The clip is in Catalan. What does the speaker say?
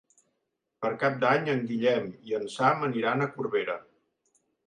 Per Cap d'Any en Guillem i en Sam aniran a Corbera.